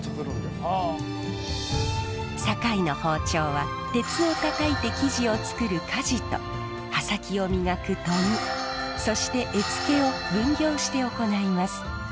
堺の包丁は鉄を叩いて生地を作る鍛冶と刃先を磨く研ぎそして柄つけを分業して行います。